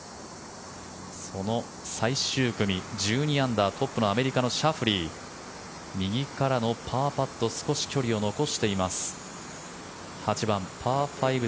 その最終組、１２アンダートップのアメリカのシャフリー右からのパーパット少し距離を残しています。